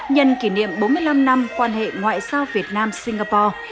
nhân kỷ niệm bốn mươi năm năm quan hệ ngoại giao việt nam singapore